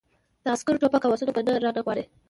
د عسکرو ټوپک او آسونه به نه رانه غواړې!